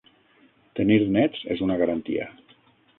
Tenir nets és una garantia.